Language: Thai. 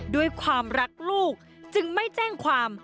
ด้วยความรักลูกจึงไม่แจ้งความ